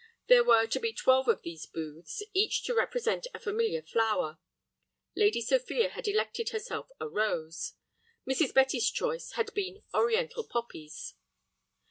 There were to be twelve of these booths, each to represent a familiar flower; Lady Sophia had elected herself a rose. Mrs. Betty's choice had been Oriental poppies.